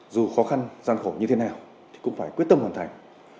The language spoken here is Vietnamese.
dù khó khăn gian khổ như thế nào thì cũng phải quyết tâm hoàn thành